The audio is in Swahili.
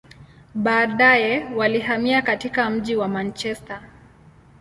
Baadaye, walihamia katika mji wa Manchester.